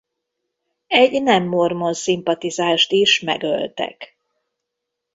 Egy nem mormon szimpatizánst is megöltek.